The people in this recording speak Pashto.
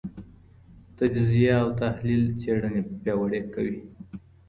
تجزیه او تحلیل څېړنه پیاوړې کوي.